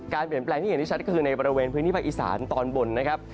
เปลี่ยนแปลงที่เห็นได้ชัดก็คือในบริเวณพื้นที่ภาคอีสานตอนบนนะครับ